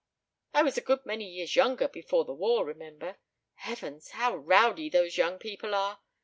"I was a good many years younger before the war, remember. Heavens! How rowdy those young people are!